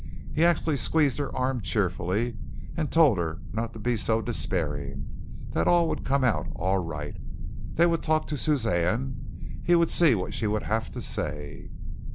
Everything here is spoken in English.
He actually squeezed her arm cheerfully and told her not to be so despairing that all would come out all right. They would talk to Suzanne. He would see what she would have to say.